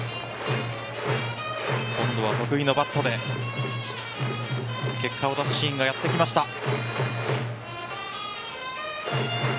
今度は得意のバットで結果を出すシーンがやってきました。